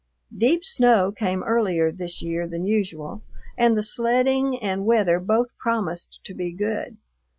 Deep snow came earlier this year than usual, and the sledding and weather both promised to be good.